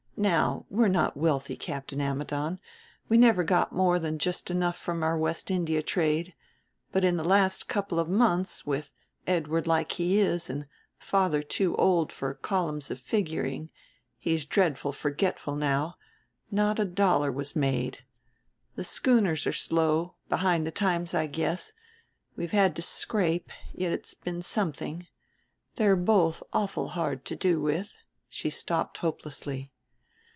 "Now we're not wealthy, Captain Ammidon, we never got more than just enough from our West India trade; but in the last couple of months, with Edward like he is and father too old for columns of figuring he's dreadful forgetful now not a dollar was made. The schooners are slow, behind the times I guess, we've had to scrape; yet it's been something.... They're both awful hard to do with," she stopped hopelessly.